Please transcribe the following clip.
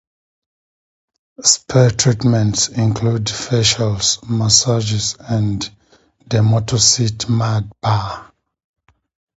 Spa treatments include facials, massages, and the MotorCity Mud Bar.